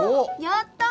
やった！